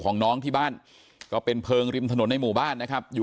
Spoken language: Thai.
ของน้องที่บ้านก็เป็นเพลิงริมถนนในหมู่บ้านนะครับอยู่